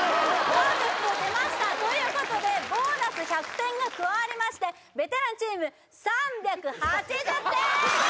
パーフェクト出ました！ということでボーナス１００点が加わりましてベテランチーム３８０点！